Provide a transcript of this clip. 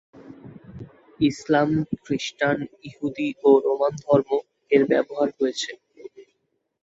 ইসলাম, খ্রিষ্টান, ইহুদি ও রোমান ধর্ম এর ব্যবহার হয়েছে।